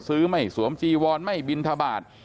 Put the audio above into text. ไม่สวมจีวอนไม่บินทบาท